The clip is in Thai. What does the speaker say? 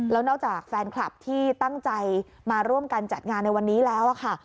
แล้วนอกจากแฟนคลับที่ตั้งใจมาร่วมกันจัดงานในวันนี้แล้วค่ะ